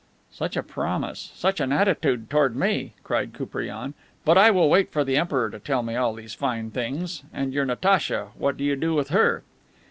"Such a promise! Such an attitude toward me!" cried Koupriane. "But I will wait for the Emperor to tell me all these fine things. And your Natacha, what do you do with her?"